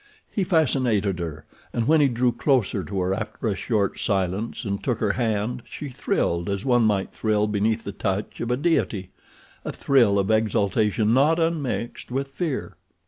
He fascinated her, and when he drew closer to her after a short silence and took her hand she thrilled as one might thrill beneath the touch of a deity—a thrill of exaltation not unmixed with fear.